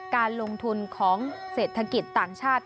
การลงทุนของเศรษฐกิจต่างชาติ